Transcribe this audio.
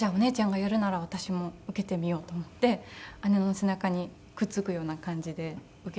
やるなら私も受けてみようと思って姉の背中にくっ付くような感じで受けた事を覚えていますね。